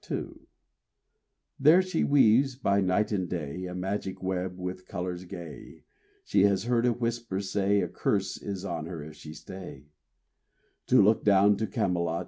RAINBOW GOLD PART II There she weaves by night and day A magic web with colors gay. She has heard a whisper say, A curse is on her if she stay To look down to Camelot.